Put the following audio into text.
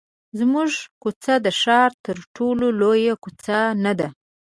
زموږ کوڅه د ښار تر ټولو لویه کوڅه نه ده.